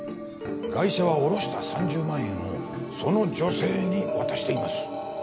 ガイシャは下ろした３０万円をその女性に渡しています。